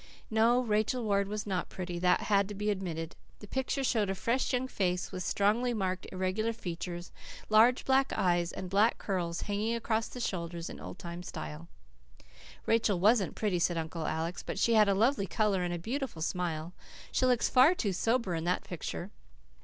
No, Rachel Ward was not pretty, that had to be admitted. The picture showed a fresh young face, with strongly marked, irregular features, large black eyes, and black curls hanging around the shoulders in old time style. "Rachel wasn't pretty," said Uncle Alec, "but she had a lovely colour, and a beautiful smile. She looks far too sober in that picture."